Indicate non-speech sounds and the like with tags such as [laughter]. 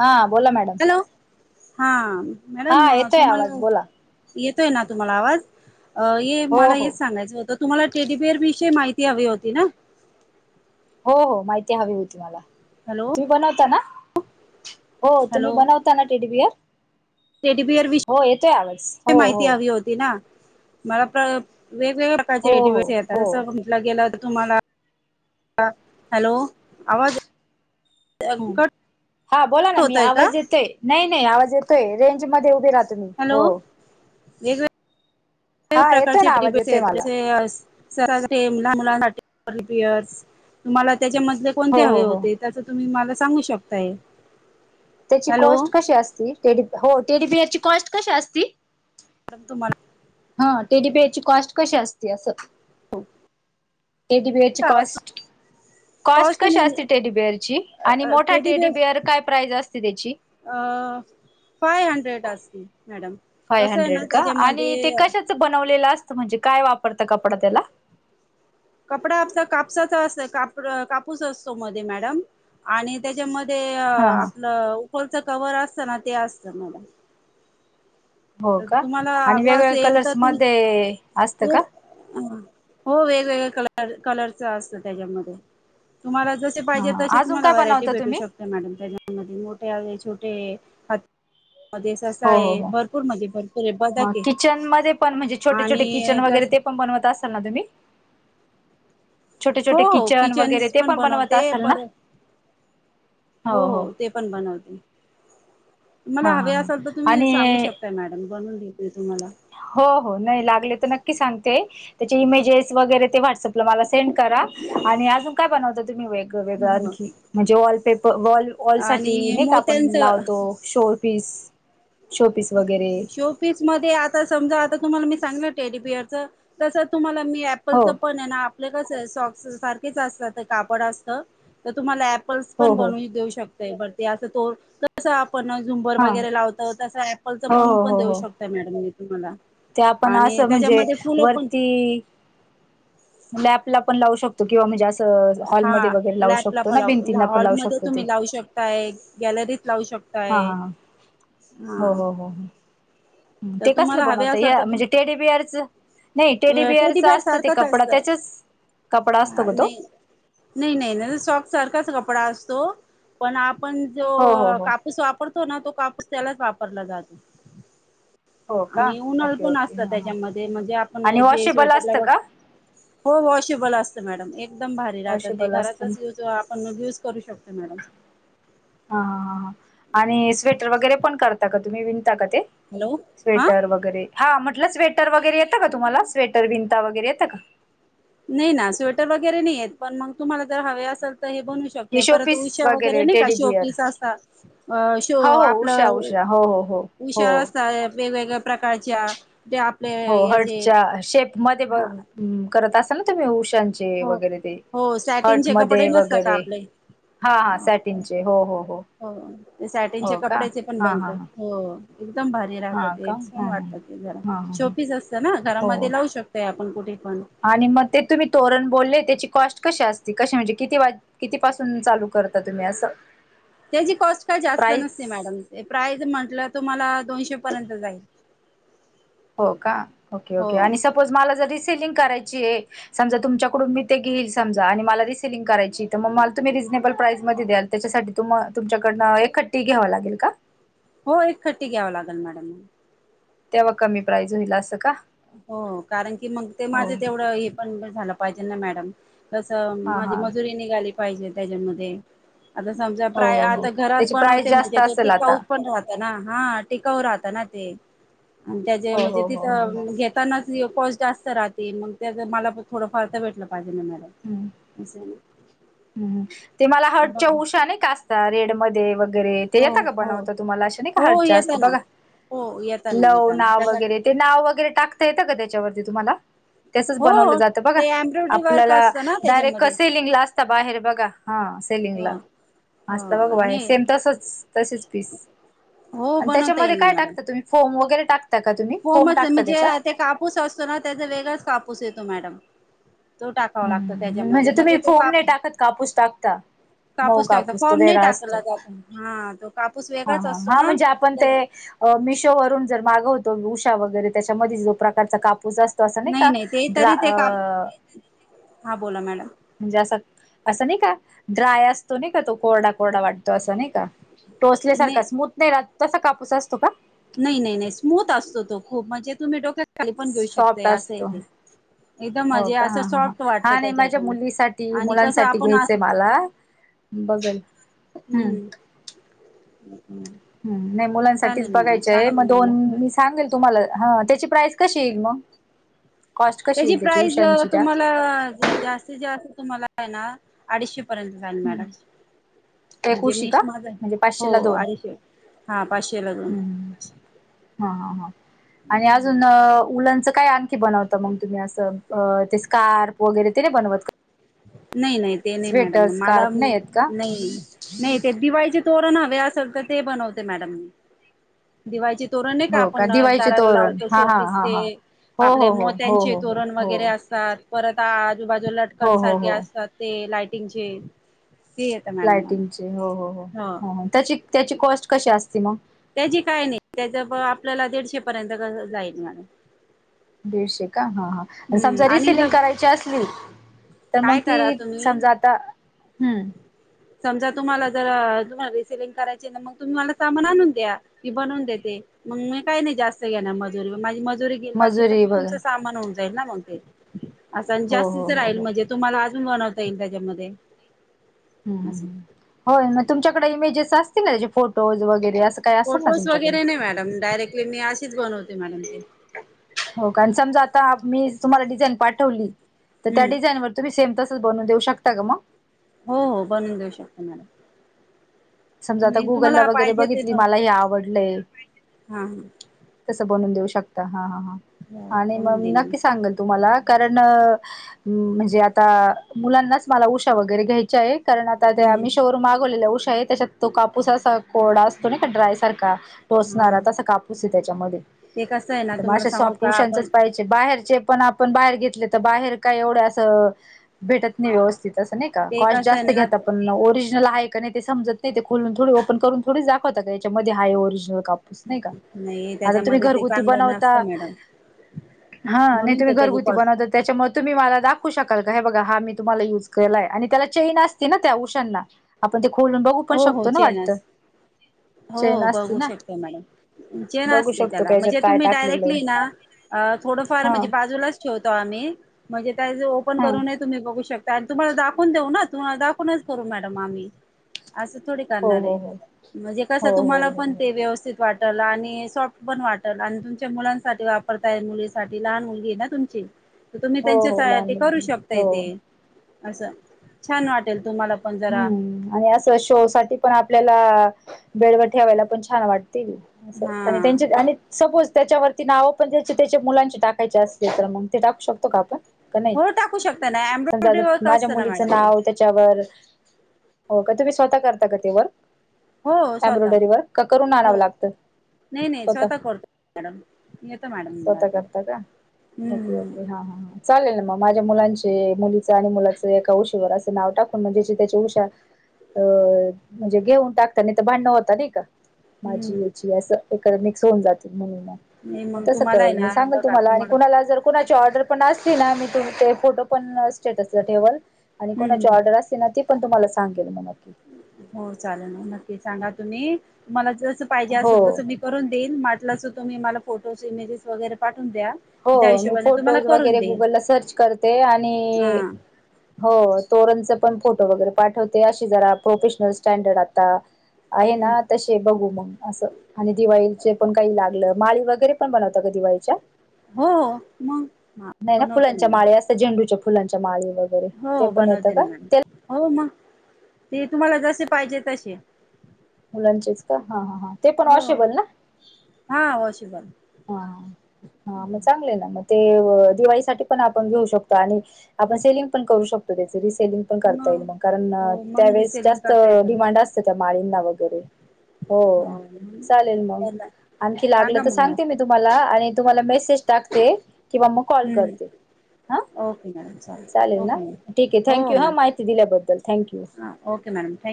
हा बोला madam. Hello हा हा मॅडम येतोय तुम्हाला आवाज बोला. येतोय ना तुम्हाला आवाज. अ हे हो मला हो हेच सांगायच होत. तुम्हाला टेडीबिअर विषयी माहिती हवी होती ना. हो हो माहिती हवी होती मला. हॅलो तुम्ही बनवता ना. हो तुम्ही बनवताना टेडीबीअर. रेडीबिअर विषयी हो हो माहिती हवी होती ना. मला प्र. वेगवेगळया प्रकारचे हो हो टेडीबिअर हो येतात जस म्हटलं गेल. तुम्हाला अ हॅलो आवाज. हो कट हा बोला ना मी होतोय का आवाज येतय नाही. नाही आवाज येतोय रेंज. मध्ये उभे राहातो मी हो----.. वेगळे. हा येतोय प्रकारचे ना आवाज टेडीबिअर येतोय आहेत मला जसे. सर्वांसाठी लहान मुलांसाठी टेडीबिअरस तुम्हाला. त्याच्या मधले हो कोणते हो हवे हो होते त्याच तुम्ही मला. सांगू शकतय. त्याची कॉस्ट कशी असती? टेडी हो टेडीबिअर ची कॉस्ट कशी असती? मग तुम्हाला. हा टेडी बिअर ची कॉस्ट कशी असते? अस. हो टेडीबिअरची कॉस्ट, कॉस्ट कशी असते? टेडीबिअरची आणि मोठा टेडी बेअर टेडीबिअर काय प्राइज असते त्याची? अ फाय हंड्रेड असती मॅडम फाय कसं आहे ना हंड्रेड का? आणि ते त्याच्यामध्ये कशाच बनवलेलं असत? म्हणजे काय वापर तात कपडा त्याला? कपडा कापसाचा अस कापूस असतो. मध्ये मॅडम आणि त्याच्यामध्ये ते हा हा आपलं कवर असतना ते असतं मला हो का तुम्हाला आणि हवा वेगवेगळ्या असेल कलर्स तर तुम्ही मध्ये असतं का हो वेगवेगळे कलर कलरच असत त्याच्यामध्ये तुम्हाला जसे हा पाहिजे हा तसे अजून तुम्हाला काय व्हरायटी बनवता भेटू तुम्ही शकते. मॅडम त्याच्यामध्ये मोठे हवे छोटे हत्ती हो हो भरपूर आहे हो बदक आहे किचन मध्ये पण म्हणजे छोटे छोटे आणि किचन वगैरे तस ते पण बनवत असत ां ना तुम्ही छोटे हो छोटे हो किचन वगैरे किचनस ते पण बनवत बनवते असाल ना पण हो हो ते पण बनवते हा मला हा हवे हा असाल तर तुम्ही सांगू आणि शकताय मॅडम बनवले ते हो हो नाही लागले तर नक्की सांगतेय. त्याचे इमेजेस वगैरे ते व्हट्सअपला वर सेंड करा आणि अजून काय बनवता. वेगं वगळं हो आणखी म्हणजे वॉलपेप वॉल वॉल साठी आणि नाही का आपण मोत्यांचं लावतो शो पीस शोपीस वगैरे शोपीस मध्ये आता समजा आता तुम्हाला मी सांगितले टेडी बेअर चे तसे तुम्हाला मी एप्पल हो च पण आहे ना आपले कसं आहेॉ कापड असतं तुम्हाला आता ॲप पल्स हो पण हो बनवू देऊ शकत. [unintelligible] पण झुंबर हां वगैरे लावतात. पल तर हो हो बवूनण हो देऊ हो शकत मॅडम तुमला ते आपण असं म्हणजे वरती ॅ आपला पण लाू शकतो किंवा मी जास्त हा लॅपला पण ला भिंतींना पण लावू हॉलमध्ये शकतो ते तुम्ही लावू शकताय. गॅलरीत लावू हां शकताय. हां हां हा हो हो हो हो तर ते तुम्हाला कसलं बनवत या म्हणजे टेडी बिअरचं टेडीबेअर सारखंच असत त्याच्याच कपडा अ असतो का तो नाही नाही नाही सॉक सारखाच कपडा आस. तो पण आप आपण जो हो हो हो कापूस वापर तो ना तो कापूस त्यालाच वापरला जात हो का आणि उन्हळ ओके पण ओके असत हां हां त्याच्यामध्ये म्हणजे आप पण आणि जे वॉशेबल स्वेटरला असतं बघ का हो वॉशेबल अस मॅडम एक एकदम भारी राहतात ते वॉशेबल असतं घरातच युज आपण यूज करू शकतो मॅडम. हां हां हां हां आणि स्वेटर वगैरे पण करता का तुम्ही विन टाक ते हॅलो हा स्वेटर वगैरे हा. [unintelligible] स्वेटर वगैरे येतं का तुम्हाला स्वेटर विनता वगैरे येतं का. नाही ना स्वेटर वगैरे नाही हेते पण मग तुम्हाला जर हवे असेल. बनू हे शक पर शोपीस उषा वगैरे नाही का टेडी शो बिअर पीस असता अ शो हो अ हो उषा आपलं उषा हो हो हो हो उषा असता वेगवेगळ्या प्र कायच्या हो र्हटच्या शेप मध्ये ब करत असल. तुम्ही उष त्यांचे हो वगैरे ते हो हार्ट सॅटिनचे कपडे मध्ये नसता का वगैरे आपले हा सॅटींग चे हो हो. ते सॅटिनच्या कपड्याचे पण बनत हो एकदम भारी हा राहतते का छान हा हा वाटतात ते घरा हा ह शोपीस असत ना घरामध्ये हो लावू शकताय आपण कुठे पण. आणि मग ते तुम्ही तोरण बोलले त्याची कॉस्ट कशी असते कसे म्हणजे किती वा कितीपसून चालू करता तुम्ही असं त्याची कॉस्ट काही जास्त प्राईस नसते मॅडम ते प्राईज म्हंटलं तुम्हाला दोनशे पर्यंत जाईल. हो का ओके ओके हो आणि सपोज मला ज दीस सेलिंग करायची ये समजा तुमच्याकडून मी ते घेईल समजा आणि मला रि सलिंग करायची तर म मल तुम्ही रिजनेबल प्राईस मध्ये दयाल त्या साठी तुम्ह तुमच्या कडन एक खट्टी घ्याव लागेल का? हो एक खट्टी घ्यावं लागेल मॅडम. तेव्हा कमी प्राईज होईल असं का? हो कारण की मग ते हो माझं तेवढं हे पण झालं पाहीजेल ना मॅडम. तसं हा माझी हा मजुरी निघाली. पाहिजे त्याज्यामध्ये. आता समजा हो प्राय हो हो आता घरात त्याची प्राइस बनवते जास्त म्हणजे ते असेल आता टिकाऊ पण राहतं ना हा टिकाऊ राहत. तन ते. आणि त्याजे हो म्हणजे हो हो हो तिथं. हो घेतताना. [unintelligible] जास्त राहते मग त्याचा मला थोडंफार भेटलं हम्म पाहिजे. [unintelligible] हम्म ते मला बघ हटच्या उषाने कास च्या रेड मध्ये व गैरे त्याच्यात हो का ग हो बनवतं तुम्हाला अशे नाही का हार्ट हो जास्त येतं ना बघा हो येताना लव येताना नाव त्याचा वगैरे ते नाव वगैरे टाकता येतं का त्याच्यावर ते तुम्हाला त्यासच बनवलं हो जातं बघा ते एम्ब्रॉयडरी वर्क आपल्याला असतं ना डायरे त्याच्यामध्ये कसं लिंगलास चा बाहेर बघा हा हो सेलिंगला बघ असतं हो बाहेर नाही सेम तसचं तशीच पीस हो आणि त्याच्यामध्ये काय टाकता तुम्ही फोम वगैरे टाकता का तुम्ही फोम फोमचं आहे टाकता म्हणजे त्याच्यात ते कापूस असतो ना त्याचा वेगळाच कापूस येतो मॅडम. तो टाकावा लागतो त्याच्यामध्ये म्हणजे तुम्ही म्हणजे तो फोम काप नाही टाकत कापूस टाकता मऊ कापूस टाकतो, तो फॉर्म नाही वेगळा असतो टाकला जातो हा तो काप हा हा हा म्हणजे आपण ते मिशो वरून जर मागव त उषा वगैरे त्याच्यामध्ये जो प्रकारचा काप पूसा असतो असं नाही का ते ड्रा तरी ते काप अ हा बोला मॅडम म्हणजे असं असं नाही का ड्राय असतो नाही का तो कोरडा कोरडा वाटतो असं नाही का. टोसल्यासारखं स्मूथ नाही राहत तसा कापूस असतो का? नाही नाही नाही स्मूथ असतो तो खूप म्हणजे तुम्ही डोक्यात खाली पण घेऊ शकतोय सॉफ्ट असे आहे असतो ते एकदम हो म्हणजे का असं हा हा हा सॉफ्ट वाटतं हा नाही माझ्या त्याच्यातून मुलीसाठी आणि कसं मुलांसाठी आपण घ्यायचंय असं मला बघल हम्म. हम् [unintelligible] हम्म नाही मुलांसाठीच बघायचय सांगा मग दोन मला मी सांगेल तुम्हाला हा त्याची प्राइस कशी येईल मग? कॉस्ट कशी त्याची येईल प्राईज उशांची त्या तुम्हाला जास्तीत जास्त तुम्हाला आहे ना अडीचशे पर्यंत जाईल हम्म मॅडम एक म्हणजे उशी मी का माझं म्हणजे हो पाचशेला दोन अडीचशे हा पाचशेला दोन हम्म हा हा आणि अजून अ उलेन चा काय आणखी बनवता मग तुम्ही अस ते स्कार्प वगैरे ते नाही बनवत का? ह नाही नाही ते नाही मॅडम स्वेटर मला स्कार्फ आहेत का नाही नाही ते दिवाळीचे तोरण हवे असेल तर ते बनवते मॅडम मी दिवाळीची तोरण आहे का हो आपण दिवाळीचे दाराला तोरण लावतो हा हा शोपीस हा ते हा हो आपले हो हो मोत्यांचे हो हो हो तोरण हो वगैरे असतात परत [unintelligible] बाजू लटकन हो सार हो ते हो असतात ते लाइट टिंगचे लाईटिंगचे हो हो हो हो हो त्याची त्याची कॉस्ट कशी असते मग. त्याची काय नाही. त्याच्याप आपल्याला दीडशे पर्यंत रनर लाईन मारून दिडशेक ह ह ह समजा आणि रिसिलिंग जर करायची असली तर मग काय ते करा तुम्ही समजा आता हम्म समजा तुम्हाला जर तुम्हाला रिसेलिंग करायची ना मग तुम्ही मला सामान आणून द्या. मी बनवून देते. मग मी काही नाही जास्त घेणार मजुरी माझी मजुरी घेईल बाकीच मजुरी मग तुमं वगैरे सामान होऊन जाईल ना मग ते अस आणि हो हो जास्तीच हो राहील हो म्हणजे तुम्हाला बनवता येईल त्याच्यमध्ये हम्म हम्म हम्म हो मग तुमच्याकडे इमेजेस असतील ना त्याचे फोटोज वगैरे असत फोटोज वगैरे नाही मॅडम डायरेक्टली मी अशीच बनवते. मॅडम ते हो का आणि समजा आता मीच तुम्हाला डिझाईन पाठवली तर त्या हम्म डिझाईनर तुम्ही सेम तस बनु देऊ शकता ग मग हो हो बनवून देऊ शकतो मॅडम. समजा आता तुम्ही गुगलला तुम्हाला वगैरे पाहिजे ते बघितली पण मला हे आवडलय. हा हा तस बनून देऊ श शकतात का हा हा हा हो आणि मग बनवून देईन मी नक्की सांगल तुम्हाला. कारण म्हणजे आता मुलांनाच मला उषा वगैरे घ्यायच्या आहे. कारण आता त्या हम्म मिशोवरून मागवलेल्या उश्या काय आहे त्याच्यात? तो कापूस असा कोरडा असतो नाही का ड्राय सारखा हा टोचणारा तसा कापूस आहे त्याच्यामध्ये. ते कसं आहे ना तर तुम्हाला मग सांगू सॉफ्ट का आपण उशांचच पाहिजे. बाहेरचे पण आपण बाहेर घेतले तर बाहेर काय एवढं असं भेटत नाही व्यवस्थित. नाही का ते कॉस्ट कसं आहे जास्त ना घेता आपण ओरिजनल हाय कणी ते समजत नाही ते खुलून थोडी ओपन करून थोडी दाखवता का याच्यामध्ये आहे ओरीज्नल कापूस नाही कां नाही आता तुम्ही त्याच्यामध्ये ते घरग चांगलं बनवता नसतं मॅडम हा नाही म्हणून तर तुम्ही त्याची घरगु कॉस्ट बनवता त्याच्यामुळे तुम्ही मला दा खऊ शकाल काय हे बघा हा मी तुम्हाला युज केलाय आणि त्याला चेन असते ना त्या उशांना आपण ते खोलुन हो हो चेन हो चैन हो असती बघू ना शकता मॅडम चेन बघू असते शकतो का त्याला याच्यात म्हणजे काय तुम्ही टाकलेलं आहे डायरेक्टली ना थोडंफार हा म्हणजे बाजूलाच ठेवतो आम्ही म्हणजे कायी जर ओप ण हा करू नये तुम्ही [unintelligible] शकता आणि तुम्हाला दाखवून देऊ ना तुम्हाला दाखवूनच करू मॅडम आम्ही. असं थोडे हो करणार हो आहे हो म्हणजे कस हो तुम्हाला हो हो पण हो ते व्यवस्थित वाट टल आणि सॉफ्ट पण वाटलं आणि तुमच्या मुलांसाठी वापरताय मुलीसाठी लहान मुलगी आहे ना तुमची. तुम्ही हो त्यांच्या हो सा लहान करू मुलगी शकताय हो तेे. असं छान वाटेल तुम्हाला पण जरा हम्म आणि असं शो साठी पण आपल्याला बेडवर ठेवायला पण छान वाट तेग असं हा आणि त्यांचे आणि सपोज. त्याच्यावरती नावं पण त्या त्याच्या मुलांचे टाकायचे असतील तर मग ते टाकू शकतो का आपण? का नाही हो टाकू शकता ना समजा एम्ब्रॉयडरी आ वर्क माझ्या असतं ना मुलीचं मॅडम ते नाव त्याच्यावर हो का तुम्ही स्वतः करता का ते वर्क... हो स्वतः एम्ब्रॉडरी व का करून हो आणाव लागत नाही नाही स्वत स्वतः करतो मॅडम येत मॅडम मला स्वतः ते करत का ओके हम्म ओके ह ह चालेल ना मग माझ. मुलांचे मुली आणि मुलाच एका उशीवर असव टाकुन म्हणजे असं त्याची उषा अ म्हणजे घेऊन टाकता नाही तर भांडण होत नाही का. माझी हम्म येची असं [unintelligible] असं होऊन जाते. नाही म्हण मग तस तुम्हाला आहे कल मी ना सांगल बघा तुम्हाला आणि कुणाला जर कुणाची ऑर्डर पण असली ना मी तुमचे फोटो पण स्टेटसला ठेवल आणि कोणाची हम्म ऑर्डर असते ना ती तुम्हाला सांगेल म नक्की. हो चालेल ना नक्की सांगा तुम्ही मला ज स पाहिजे असलं हो जस मी करून देयीन. मा लाल असं तुम्ही फोटोज इमेजे वगरे पाठ हो मी फोटोज वगैरे देईल गुगलला सर्च करते आणि, हां हो. तोरणचं पण फोटो वगैरे पाठवते अशी जरा प्रोफेशनल स्टँडर्ड आता आहे हं. ना तसे बघू मंग. असं. आणि दिवाळीचे पण काही लागलं. माळी वगैरे पण बनवता का दिवाळीच्या.. हो हो मग हां नाही ना बनवते फुलांच्या माळे मॅडम असं झेंडूच्या.. फुलांच्या माळी... वगैरे ते हो पण येतं बनवते का? ना मॅडम हो मग ते तुम्हाला जसे पाहिजे तसे... मुलांचेच का हा हा हां.... ते पण हो वॉशेबल ना.... हां वॉशेबल हा हा हं. मग चांगल आहे ना... ते दिवाळीसाठीठी पण आपण घेऊ शकतो आणि आपण सेलिंग पण करू शकतो. सेलिंग पण करता मग येईल म कारण हो मग त्यावेळी रिसेलिंग जास्त करता येतं डिमांड असते त्या माळीना वैगरे हो चालेल म त्यांना आणखी लागलं सांगा तर मग सांग. मी तुमला आणि तुम्हाला मेसेज टाकते. किंवा मग कॉल करते मग हा ओके मॅडम चालेल ओके ना ठीक आहे मॅडम हो थँक्यू हा मॅम माहिती दिल्याबद्दल थँक्यू... हां ओके मॅडम थँक्यू